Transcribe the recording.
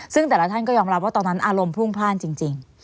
ซึ่งแต่ละท่านก็ยอมรับว่าตอนนั้นอารมณ์พุ่งพลาดจริง